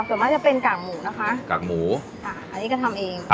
ส่วนมากจะเป็นกากหมูนะคะกากหมูค่ะอันนี้ก็ทำเอง